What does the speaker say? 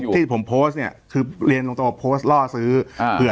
ที่ผมโพสต์เนี่ยคือเรียนตรงโพสต์ล่อซื้อเผื่อ